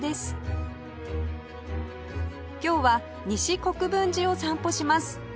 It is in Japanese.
今日は西国分寺を散歩します